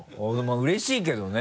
うれしいけどね。